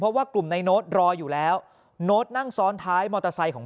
เพราะว่ากลุ่มในโน้ตรออยู่แล้วโน้ตนั่งซ้อนท้ายมอเตอร์ไซค์ของ